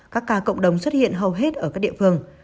các ca cộng đồng xuất hiện hầu hết ở các địa phương